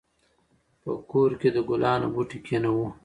په کور کې د ګلانو بوټي کېنوو.